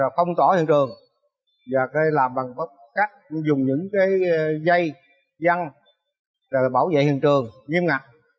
phong tỏ hiện trường và làm bằng cách dùng những dây văn bảo vệ hiện trường nghiêm ngặt